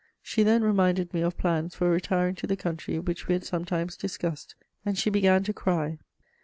She then reminded me of plans for retiring to the country which we had sometimes discussed, and she began to cry.